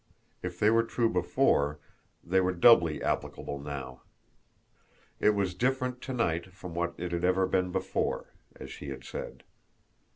If they were true before, they were doubly applicable now. It was different to night from what it had ever been before, as she had said.